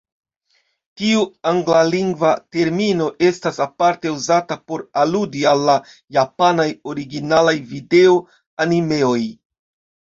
Tiu anglalingva termino estas aparte uzata por aludi al la japanaj originalaj video-animeoj.